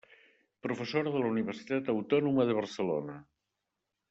Professora de la Universitat Autònoma de Barcelona.